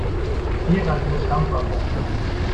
Gerald muss Dampf ablassen.